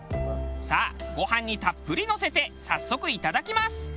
さあご飯にたっぷりのせて早速いただきます。